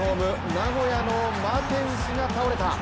名古屋のマテウスが倒れた。